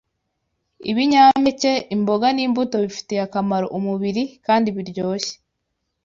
ibinyampeke, imboga, n’imbuto bifitiye akamaro umubiri kandi biryoshye